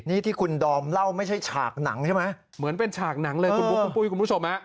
นี่ที่คุณดอมเล่าไม่ใช่ฉากหนังใช่ไหมเหมือนเป็นฉากหนังเลยคุณบุ๊คคุณปุ้ยคุณผู้ชมฮะ